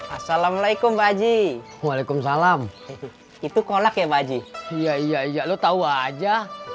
assalamualaikum walaikum salam itu kolak ya baji iya iya lu tahu aja